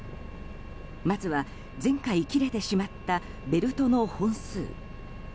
まずは、前回切れてしまったベルトの本数。